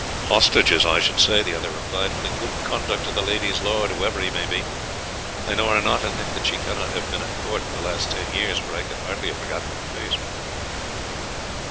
"Hostages, I should say," the other replied, "for the good conduct of the lady's lord, whoever he may be. I know her not, and think that she cannot have been at court for the last ten years, for I could hardly have forgotten her face."